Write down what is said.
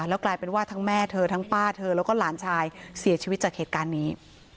แล้วกลายเป็นว่าทั้งแม่เธอทั้งป้าเธอแล้วก็หลานชายเสียชีวิตจากเหตุการณ์นี้